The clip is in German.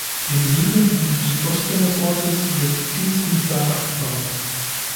Im Süden und Südosten des Ortes wird Kies und Sand abgebaut.